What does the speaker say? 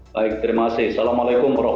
baik terima kasih assalamualaikum wr wb